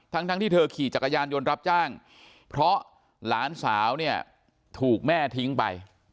ทั้งที่เธอขี่จักรยานยนต์รับจ้างเพราะหลานสาวเนี่ยถูกแม่ทิ้งไป